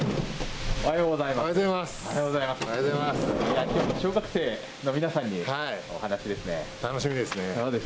おはようございます。